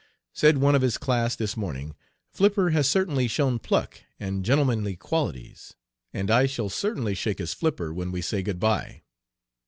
Said one of his class this morning: 'Flipper has certainly shown pluck and gentlemanly qualities, and I shall certainly shake his "flipper" when we say "Good by."